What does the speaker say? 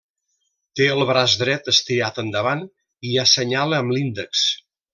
Té el braç dret estirat endavant i assenyala amb l'índex.